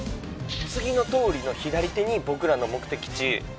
次の通りの左手に僕らの目的地。